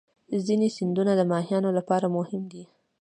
ځینې سیندونه د ماهیانو لپاره مهم دي.